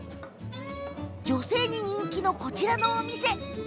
女性に人気のこちらのお店。